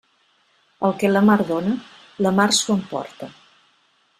El que la mar dóna, la mar s'ho emporta.